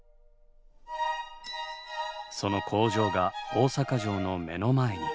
その工場が大阪城の目の前に。